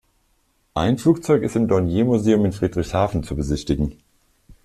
Ein Flugzeug ist im "Dornier Museum" in Friedrichshafen zu besichtigen.